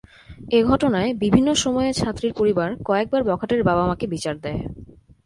এ ঘটনায় বিভিন্ন সময়ে ছাত্রীর পরিবার কয়েকবার বখাটের বাবা মাকে বিচার দেয়।